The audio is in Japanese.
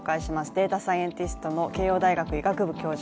データサイエンティストの慶応大学医学部教授